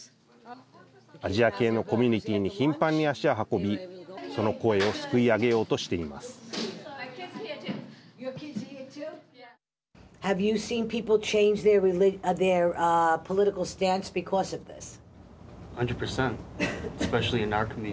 アジア系のコミュニティーに頻繁に足を運びその声をすくい上げようとしています。